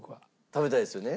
食べたいですよね。